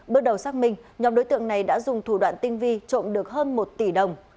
bước đầu xác minh nhóm đối tượng này đã dùng thủ đoạn tinh vi trộm được hơn một tỷ đồng